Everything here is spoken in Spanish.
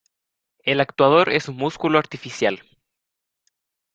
El actuador es un músculo artificial.